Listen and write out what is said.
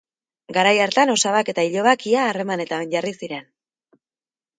Garai hartan osabak eta ilobak ia harremanetan jarri ziren.